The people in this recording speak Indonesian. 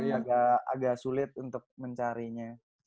jadi agak sulit untuk mencarinya